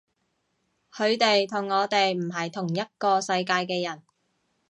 佢哋同我哋唔係同一個世界嘅人